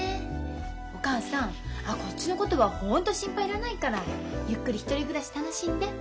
お母さんこっちのことはホント心配いらないからゆっくり１人暮らし楽しんで。